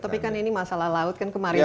tapi kan ini masalah laut kan kemarin